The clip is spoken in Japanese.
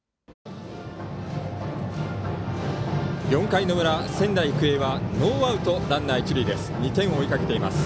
４回の裏、仙台育英はノーアウト、ランナー、一塁です。